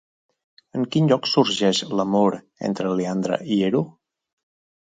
En quin lloc sorgeix l'amor entre Leandre i Hero?